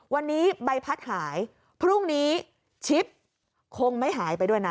วันนี้ใบพัดหายพรุ่งนี้ชิปคงไม่หายไปด้วยนะ